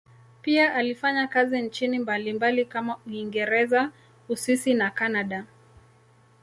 Pia alifanya kazi nchini mbalimbali kama Uingereza, Uswisi na Kanada.